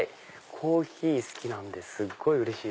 コーヒー好きなんでうれしい。